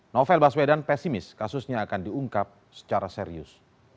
novel baswedan pesimis kasusnya akan diungkap secara serius